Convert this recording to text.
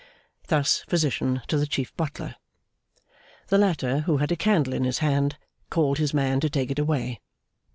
Thus Physician to the Chief Butler. The latter, who had a candle in his hand, called his man to take it away.